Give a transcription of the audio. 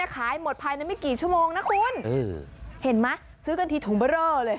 ขายหมดภายในไม่กี่ชั่วโมงนะคุณเห็นไหมซื้อกันทีถุงเบอร์เรอเลย